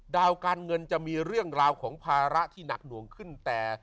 ดาวการเงินจะมีเรื่องราวของภาระที่หนักหน่วงขึ้นแต่